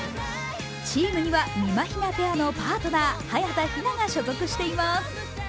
チームには、みまひなペアのパートナー、早田ひなが所属しています。